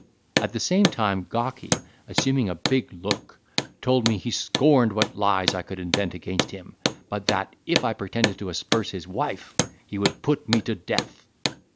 At the same time, Gawky assuming a big look, told me, he scorned what lies I could invent against him; but that, if I pretended to asperse his wife, he would put me to death.